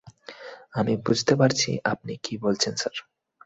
আমি বুঝতে পারছি আপনি কি বলছেন, স্যার।